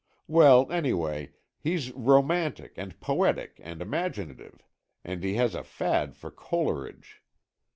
Well, anyway, he's romantic and poetic and imaginative. And he has a fad for Coleridge.